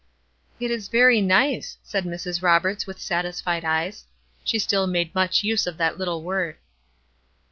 "It is very nice," said Mrs. Roberts, with satisfied eyes. She still made much use of that little word.